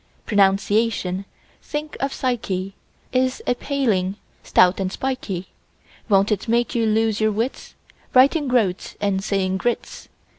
Pronunciation—think of psyche!— Is a paling, stout and spikey; Won't it make you lose your wits, Writing "groats" and saying groats?